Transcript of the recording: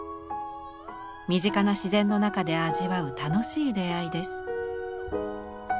身近な自然の中で味わう楽しい出会いです。